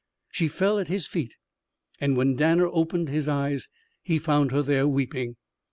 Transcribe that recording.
She fell at his feet, and when Danner opened his eyes, he found her there, weeping.